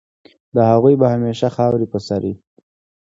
د هغوی به همېشه خاوري په سر وي